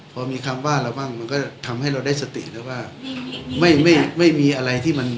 พอมีคำว่าเราบ้างมันก็ทำให้เราได้สติแล้วว่าไม่ไม่ไม่มีอะไรที่มัน